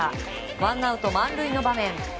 ワンアウト満塁の場面